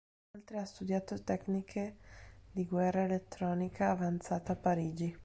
Inoltre ha studiato tecniche di guerra elettronica avanzata a Parigi.